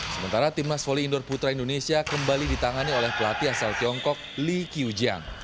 sementara tim nas volley indoor putri indonesia kembali ditangani oleh pelatih asal tiongkok lee kiuja